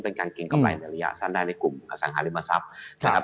การเกรงกำไรในระยะสั้นได้ในกลุ่มอสังหาริมทรัพย์นะครับ